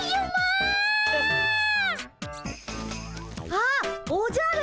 あっおじゃる。